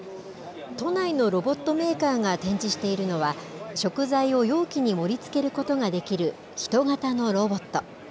都内のロボットメーカーが展示しているのは、食材を容器に盛りつけることができる、人型のロボット。